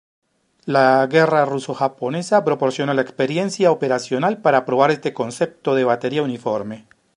La guerra ruso-japonesa proporcionó la experiencia operacional para probar este concepto de batería uniforme.